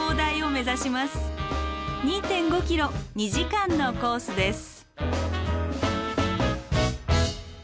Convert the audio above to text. ２．５ｋｍ２時間のコースです。